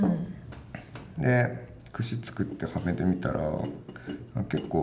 でくし作ってはめてみたら結構。